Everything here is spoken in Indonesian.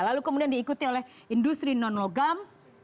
lalu kemudian diikutnya industri non logam